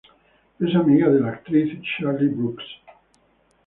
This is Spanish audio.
Es amiga de la actriz Charlie Brooks.